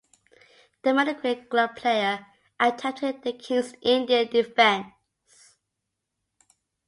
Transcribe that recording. The mediocre club player attempted the King's Indian Defence.